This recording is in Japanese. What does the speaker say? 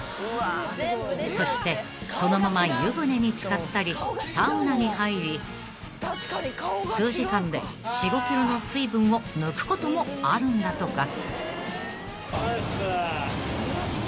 ［そしてそのまま湯船に漬かったりサウナに入り数時間で４５ｋｇの水分を抜くこともあるんだとか］